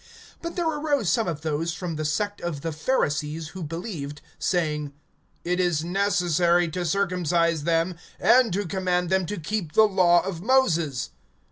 (5)But there arose some of those from the sect of the Pharisees who believed, saying: It is necessary to circumcise them, and to command them to keep the law of Moses.